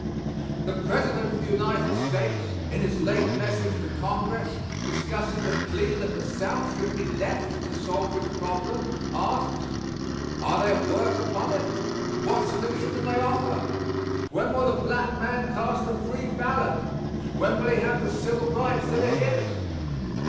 The President of the United States, in his late message to Congress, discussing the plea that the South should be left to solve this problem, asks: "Are they at work upon it? What solution do they offer? When will the black man cast a free ballot? When will he have the civil rights that are his?"